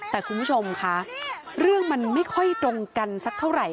แต่คุณผู้ชมคะเรื่องมันไม่ค่อยตรงกันสักเท่าไหร่